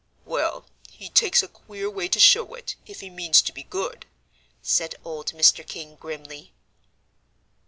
"Well, he takes a queer way to show it, if he means to be good," said old Mr. King, grimly.